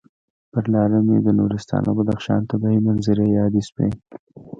پر لاره مې د نورستان او بدخشان طبعي منظرې یادې شوې.